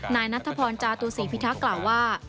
นายนัทพรจาตุศรีพิทักษ์กล่าวว่า